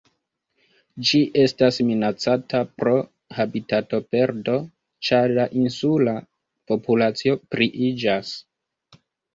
Ĝi estas minacata pro habitatoperdo ĉar la insula populacio pliiĝas.